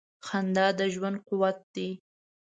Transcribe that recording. • خندا د ژوند قوت دی.